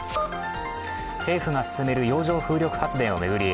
政府が進める洋上風力発電を巡り